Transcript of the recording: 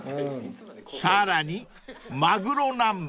［さらにマグロ南蛮］